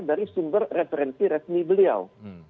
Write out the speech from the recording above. dari sumber referensi resmi beliau